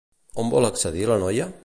On vol accedir la noia?